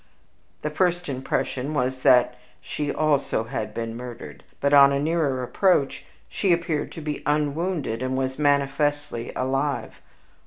The first impression was that she also had been murdered; but, on a nearer approach, she appeared to be unwounded, and was manifestly alive.